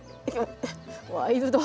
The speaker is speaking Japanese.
ワイルド！